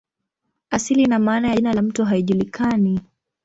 Asili na maana ya jina la mto haijulikani.